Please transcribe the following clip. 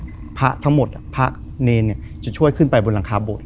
คือก่อนอื่นพี่แจ็คผมได้ตั้งชื่อเอาไว้ชื่อเอาไว้ชื่อเอาไว้ชื่อเอาไว้ชื่อ